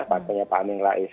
partainya pak aming rais